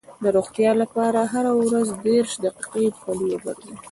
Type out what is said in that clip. د روغتیا لپاره هره ورځ دېرش دقیقې پلي وګرځئ.